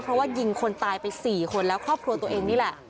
เพราะว่ายิงคนตายไป๔คนแล้วครอบครัวตัวเองนี่แหละ